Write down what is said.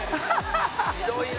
ひどいな。